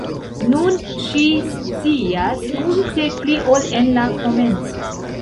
Nun ŝi scias multe pli ol en la komenco.